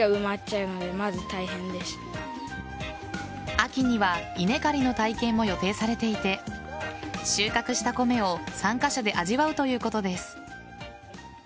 秋には稲刈りの体験も予定されていて収穫した米を参加者で味わうということです。